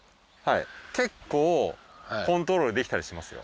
結構コントロールできたりしますよ。